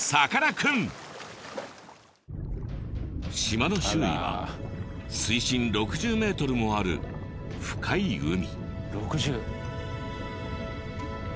島の周囲は水深６０ｍもある深い海。